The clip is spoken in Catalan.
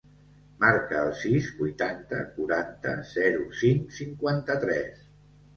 Marca el sis, vuitanta, quaranta, zero, cinc, cinquanta-tres.